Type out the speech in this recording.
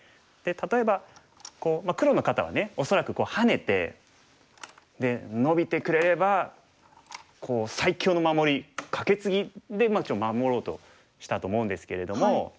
例えば黒の方はね恐らくハネてでノビてくれれば最強の守りカケツギで守ろうとしたと思うんですけれども。